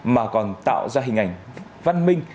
mà còn tạo ra hình ảnh văn minh